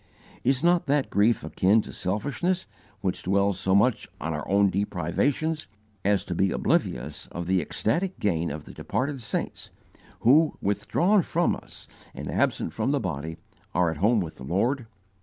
Is not that grief akin to selfishness which dwells so much on our own deprivations as to be oblivious of the ecstatic gain of the departed saints who, withdrawn from us and absent from the body, are at home with the Lord?